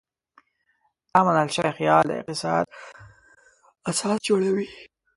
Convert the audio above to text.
دا منل شوی خیال د اقتصاد اساس جوړوي.